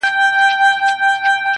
چې له تېرو درې کلونو